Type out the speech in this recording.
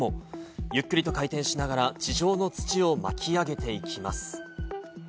ゆっくりと回転しながら、地上の土を巻き上げていきます。